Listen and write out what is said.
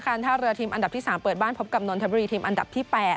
ท่าเรือทีมอันดับที่๓เปิดบ้านพบกับนนทบุรีทีมอันดับที่๘